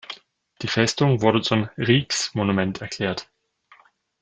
Die Festung wurde zum Rijksmonument erklärt.